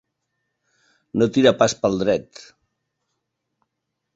No tira pas pel dret.